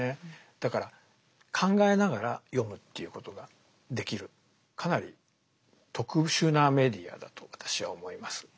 だから考えながら読むっていうことができるかなり特殊なメディアだと私は思います。